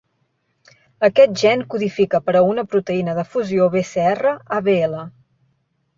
Aquest gen codifica per a una proteïna de fusió Bcr-abl.